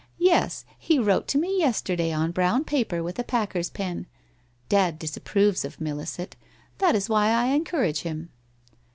* Yes, he wrote to me yesterday on brown paper with a packer's pen. Dad disapproves of Milliset. That is why I en courage him.'